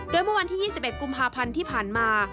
โดยเมื่อวันที่๒๑กุมภาพันธ์ที่ผ่านมา